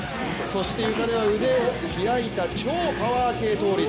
そして、ゆかでは腕を開いた超パワー倒立。